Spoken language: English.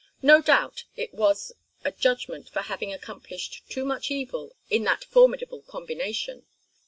No doubt it was a judgment for having accomplished too much evil in that formidable combination.